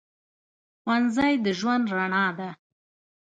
ښوونځی د ژوند رڼا ده